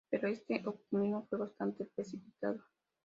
Pero este optimismo fue bastante precipitado.